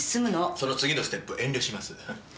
その次のステップ遠慮します。